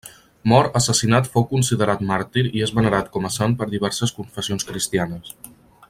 Mort assassinat fou considerat màrtir i és venerat com a sant per diverses confessions cristianes.